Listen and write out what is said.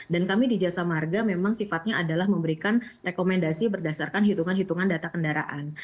dan kami di jasa marga memang sifatnya adalah memberikan rekomendasi berdasarkan hitungan hitungan data kendaraan